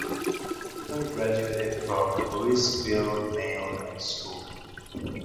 Booker graduated from Louisville Male High School.